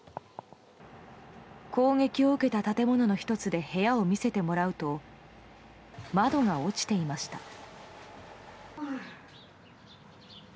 攻撃を受けた建物の１つで部屋を見せてもらうと窓が落ちていました。